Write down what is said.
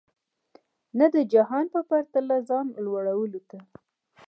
نه د جهان په پرتله ځان لوړولو ته.